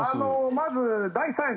「まず第３位。